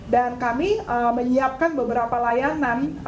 dan kami menyiapkan beberapa layanan